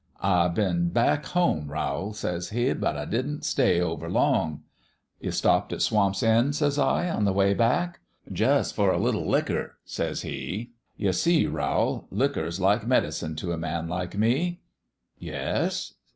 "' I been back home, Rowl,' says he ;' but I didn't stay overlong.' "' You stopped at Swamp's End,' says I, * on the way back. 1 " 'Jus' for a little liquor,' says he. 'You see, Rowl, liquor's like medicine to a man like me.' "'Yes?'